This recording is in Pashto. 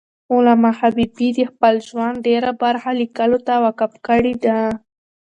علامه حبیبي د خپل ژوند ډېره برخه لیکلو ته وقف کړی ده.